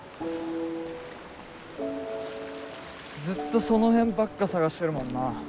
ずっとその辺ばっか探してるもんな。